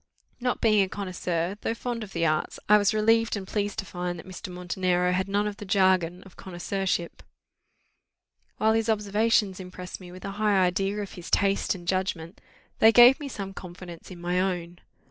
Not being a connoisseur, though fond of the arts, I was relieved and pleased to find that Mr. Montenero had none of the jargon of connoisseurship: while his observations impressed me with a high idea of his taste and judgment, they gave me some confidence in my own.